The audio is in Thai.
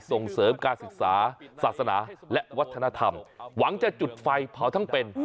ส่งเสริมการศึกษาศาสนาและวัฒนธรรมหวังจะจุดไฟเผาทั้งเป็น